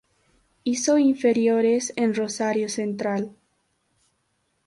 Hizo inferiores en Rosario Central.